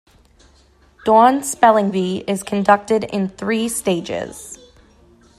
Dawn Spelling Bee is conducted in three stages.